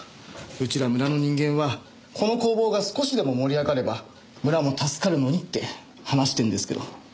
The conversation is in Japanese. うちら村の人間はこの工房が少しでも盛り上がれば村も助かるのにって話してんですけど。